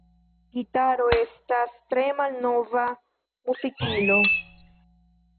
Gitaro estas tre malnova muzikilo.